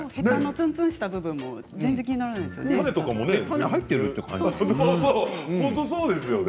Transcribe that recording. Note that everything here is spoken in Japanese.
ツンツンした部分も気にならないですよね。